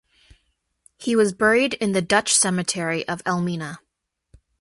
He was buried in the Dutch Cemetery of Elmina.